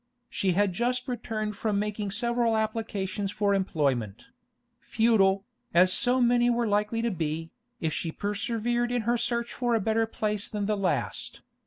She had just returned from making several applications for employment—futile, as so many were likely to be, if she persevered in her search for a better place than the last.